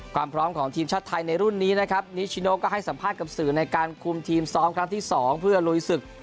ความพร้อมของทีมชาติไทยในรุ่นนี้นะครับนิชิโนก็ให้สัมภาษณ์กับสื่อในการคุมทีมซ้อมครั้งที่๒เพื่อลุยศึก